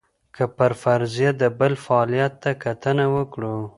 که پر فرضیه د بل فعالیت ته کتنه وکړو.